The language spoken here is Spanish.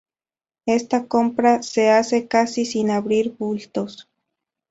Esta compra se hace casi sin abrir bultos.